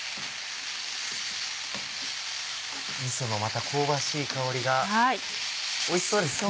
みその香ばしい香りがおいしそうですね。